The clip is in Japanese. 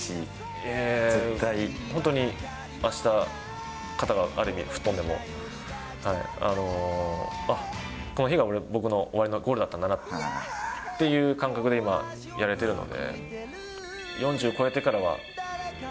本当にあした、肩がある意味、吹っ飛んでも、あっ、この日が僕の終わりのゴールだったんだなっていう感覚で今、やれてるので。